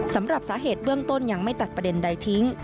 สำหรับสาเหตุเบื้องต้นยังไม่ตัดประเด็นใดทิ้ง